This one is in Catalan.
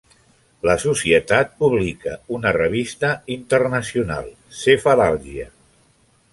La societat publica una revista internacional, "Cephalalgia".